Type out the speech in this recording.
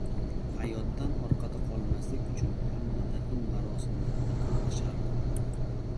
— Hayotdan orqada qolmaslik uchun hamma dafn marosimlarida qatnashardi.